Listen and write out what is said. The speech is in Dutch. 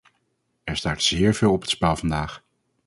Er staat zeer veel op het spel vandaag.